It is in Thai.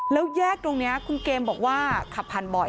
แล้วแยกตรงนี้คุณเกมบอกว่าขับผ่านบ่อย